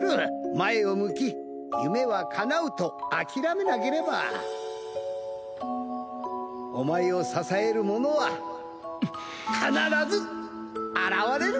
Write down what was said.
前を向き夢はかなうと諦めなければお前を支える者は必ず現れる！